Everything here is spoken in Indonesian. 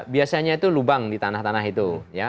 biasanya itu lubang di tanah tanah itu